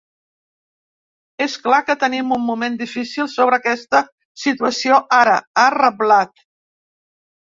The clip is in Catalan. És clar que tenim un moment difícil sobre aquesta situació ara, ha reblat.